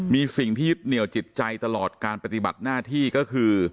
มีสิ่งที่ยึดเหนียวจิตใจตลอดการปฏิบัติหน้าที่ก็คือ